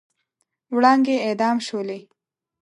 وړانګې اعدام شولې